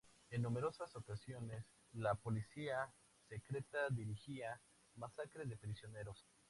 En numerosas ocasiones, la policía secreta dirigía masacres de prisioneros.